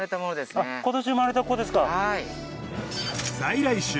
あっ今年生まれた子ですか！